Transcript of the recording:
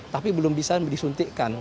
tapi belum bisa disuntikkan